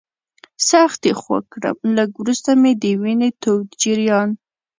سخت یې خوږ کړم، لږ وروسته مې د وینې تود جریان.